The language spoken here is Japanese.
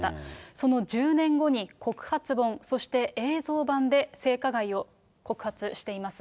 その１０年後に告発本、そして映像版で性加害を告発しています。